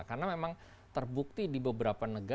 karena memang terbukti di beberapa negara